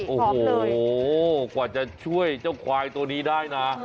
โอ้โหกว่าจะช่วยเจ้าควายตัวนี้ได้นะ